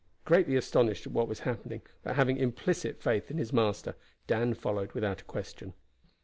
Greatly astonished at what was happening, but having implicit faith in his master, Dan followed without a question.